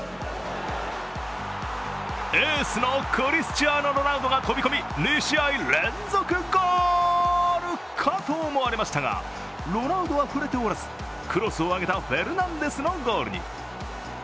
エースのクリスチアーノ・ロナウドが飛び込み、２試合連続ゴールかと思われましたが、ロナウドは触れておらずクロスを上げたフェルナンデスのゴールに。